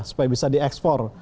supaya bisa di export